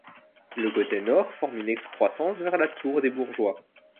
Le côté nord forme une excroissance vers la tour des bourgeois.